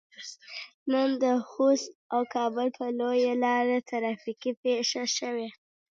نن د خوست او کابل په لويه لار ترافيکي پېښه شوي.